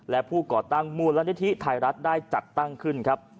และผู้ก่อตั้งมูลนิธิไทยรัฐได้จัดตั้งขึ้นครับ